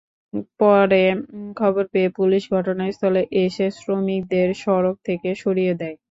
পরে খবর পেয়ে পুলিশ ঘটনাস্থলে এসে শ্রমিকদের সড়ক থেকে সরিয়ে দেয়।